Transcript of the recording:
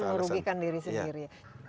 justru merugikan diri sendiri